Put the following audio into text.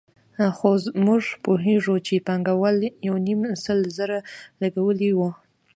خو موږ پوهېږو چې پانګوال یو نیم سل زره لګولي وو